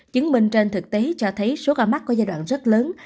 chứng minh trên thực tế cho thấy số ca mắc có giai đoạn rất lớn